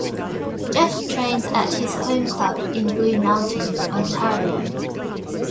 Jeff trains at his home club in Blue Mountain, Ontario.